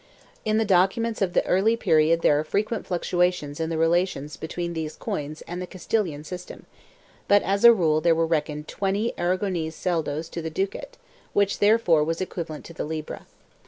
In the documents of the early period there are frequent fluctuations in the relations between these coins and the Castilian system, but as a rule there were reckoned 20 Aragonese sueldos to the ducat, which therefore was equivalent to the libra.